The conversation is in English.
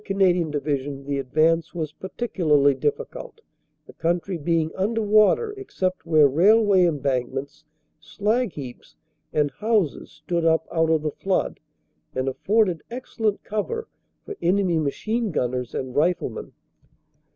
Canadian Division the advance was particularly difficult, the country being under water except where railway embankments, slag heaps, and houses stood up out of the flood and afforded excellent cover for enemy machine gunners and riflemen.